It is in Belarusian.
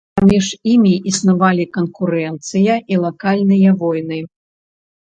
Паміж імі існавалі канкурэнцыя і лакальныя войны.